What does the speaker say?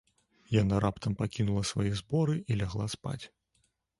Яна раптам пакінула свае зборы і лягла спаць.